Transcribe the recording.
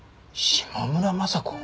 島村昌子？